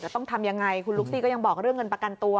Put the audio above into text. ต้องทำยังไงคุณลุกซี่ก็ยังบอกเรื่องเงินประกันตัว